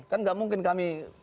kan gak mungkin kami